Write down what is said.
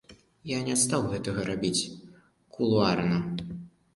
Я не стаў гэтага рабіць кулуарна.